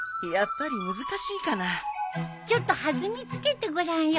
ちょっと弾みつけてごらんよ。